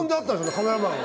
カメラマンが。